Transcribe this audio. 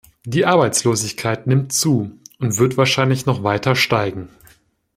Die Arbeitslosigkeit nimmt zu und wird wahrscheinlich noch weiter steigen.